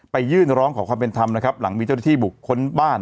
ยื่นร้องขอความเป็นธรรมนะครับหลังมีเจ้าหน้าที่บุคคลบ้าน